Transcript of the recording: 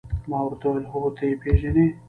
ما ورته وویل: هو، ته يې پېژنې؟